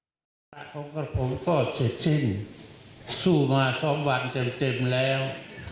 วาระของของผมก็เสร็จสิ้นสู้มาซ้อมวันเต็มแล้ว